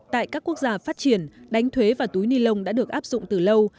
tại các quốc gia phát triển đánh thuế và túi ni lông đã được áp dụng từ lâu